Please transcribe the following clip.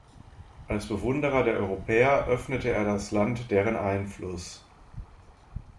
Als Bewunderer der Europäer öffnete er das Land deren Einfluss.